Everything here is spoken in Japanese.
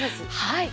はい。